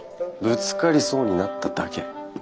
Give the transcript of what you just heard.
ぶつかりそうになっただけ。